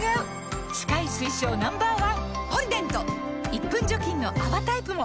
１分除菌の泡タイプも！